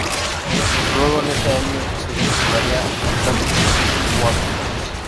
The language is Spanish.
Luego en ese año, se vincularía al Santos de Guápiles.